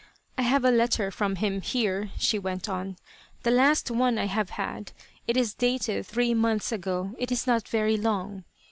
"I have a letter from him, here," she went on. "The last one I have had. It is dated three months ago. It is not very long."